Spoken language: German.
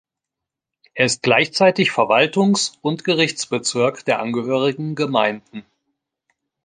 Er ist gleichzeitig Verwaltungs- und Gerichtsbezirk der angehörigen Gemeinden.